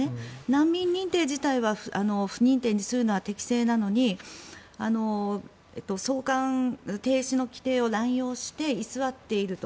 難民認定自体は不認定にするのは適正なのに送還停止の規定を乱用して居座っていると。